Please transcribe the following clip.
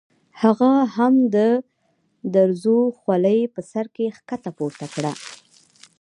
هغه هم د دروزو خولۍ په سر کې ښکته پورته کړه.